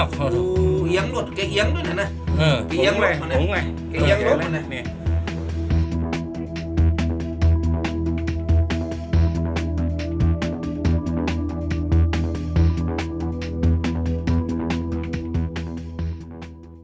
โปรดติดตามตอนต่อไป